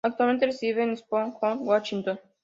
Actualmente reside en Spokane, Washington.